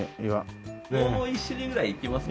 もう一種類ぐらいいきますか？